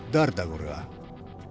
これは。